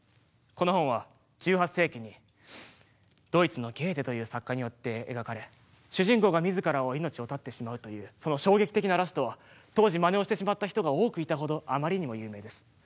この本は１８世紀にドイツのゲーテという作家によって描かれ主人公がみずから命を絶ってしまうという衝撃的なラストは当時まねをしてしまった人が多くいたほどあまりにも有名です。